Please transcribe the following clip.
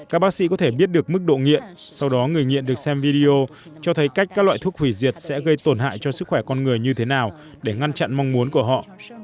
các bác sĩ có thể biết được mức độ nghiện sau đó người nghiện được xem video cho thấy cách các loại thuốc hủy diệt sẽ gây tổn hại cho sức khỏe con người như thế nào để ngăn chặn mong muốn của họ